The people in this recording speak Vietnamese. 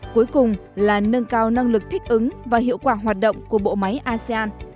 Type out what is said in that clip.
cuối cùng là nâng cao năng lực thích ứng và hiệu quả hoạt động của bộ máy asean